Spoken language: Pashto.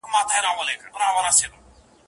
سمدستي یې په کتاب کي نوشته کړه